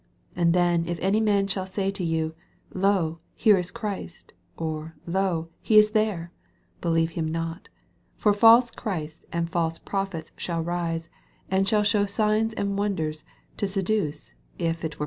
21 And then if any man shall say to you, Lo, here is Christ ; or, lo, JM is there ; believe hftn not : 22 For false Christs and false pro phets shall rise, and shall show signa and wonders, to seduce, if it were those days